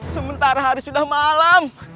sementara hari sudah malam